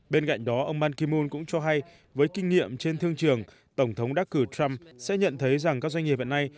bên cạnh đó ông mankimun cũng cho hay với kinh nghiệm trên thương trường tổng thống đắc cử trump sẽ nhận thấy rằng các doanh nghiệp hiện nay